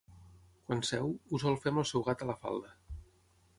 Quan seu, ho sol fer amb el seu gat a la falda.